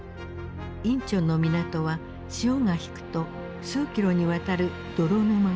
仁川の港は潮が引くと数キロにわたる泥沼が現れた。